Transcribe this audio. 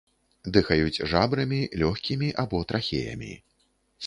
Дыхаюць жабрамі, лёгкімі або трахеямі.